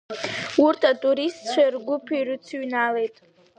Урҭ атуристцәа ргәыԥ ирыцыҩналеит.